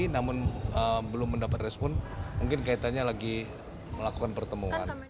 namun belum mendapat respon mungkin kaitannya lagi melakukan pertemuan